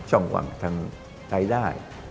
ช่องว่างทางไทยได้